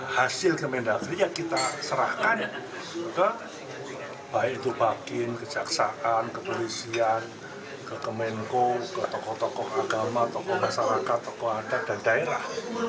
hasil kemendagri ya kita serahkan ke baik itu bakin kejaksaan kepolisian ke kemenko ke tokoh tokoh agama tokoh masyarakat tokoh adat dan daerah